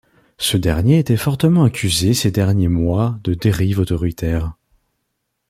Ce dernier était fortement accusé ces derniers mois de dérive autoritaire.